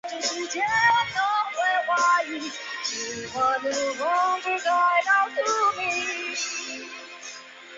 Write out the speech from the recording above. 山东武定府海丰县人。